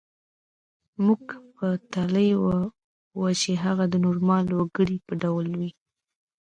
موږ پتېیلې وه چې هغه د نورمال وګړي په ډول وي